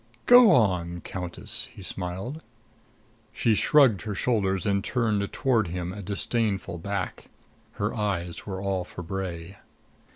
"Go on, Countess," he smiled. She shrugged her shoulders and turned toward him a disdainful back. Her eyes were all for Bray.